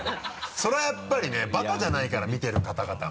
それはやっぱりねバカじゃないから見てる方々も。